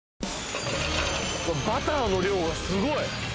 ・バターの量がすごい！